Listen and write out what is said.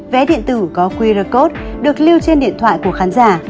vé điện tử có qr code được lưu trên điện thoại của khán giả